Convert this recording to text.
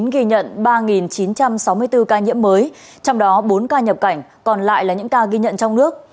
ghi nhận ba chín trăm sáu mươi bốn ca nhiễm mới trong đó bốn ca nhập cảnh còn lại là những ca ghi nhận trong nước